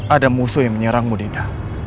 ada musuh yang menyerangmu dinda